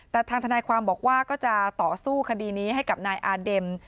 แต่ทางทนายความบอกว่าก็จะต่อสู้คดีนี้ให้กับนายอาเด็ม